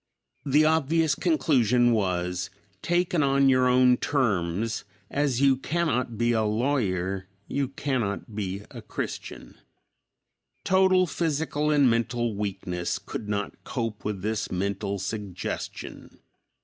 The obvious conclusion was, "Taken on your own terms, as you cannot be a lawyer, you cannot be a Christian." Total physical and mental weakness could not cope with this mental suggestion.